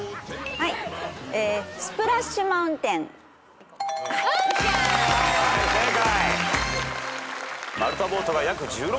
はい正解。